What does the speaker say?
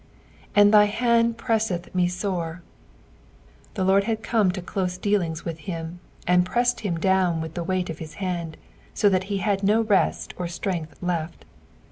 " And thy hand pre*»eth toe aore." The Lord had come to cloee dealines with him, and pressed him down with tho weight of his hand, so that he h^ no rest or strength left.